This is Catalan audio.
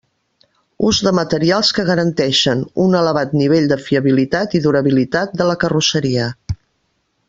Ús de materials que garanteixen un elevat nivell de fiabilitat i durabilitat de la carrosseria.